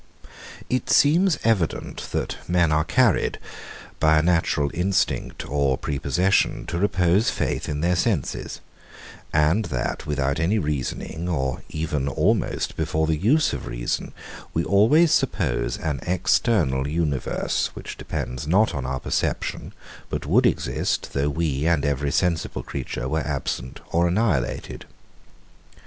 118. It seems evident, that men are carried, by a natural instinct or prepossession, to repose faith in their senses; and that, without any reasoning, or even almost before the use of reason, we always suppose an external universe, which depends not on our perception, but would exist, though we and every sensible creature were absent or annihilated.